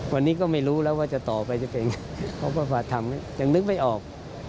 วันนี้ก็ไม่รู้แล้วว่าจะตอบไปจะเป็นยังไงเพราะว่าภาษาธรรมนี้ยังนึกไม่ออก